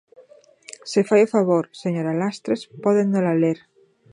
Se fai o favor, señora Lastres, pódenola ler.